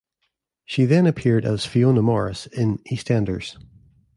She then appeared as Fiona Morris in "EastEnders".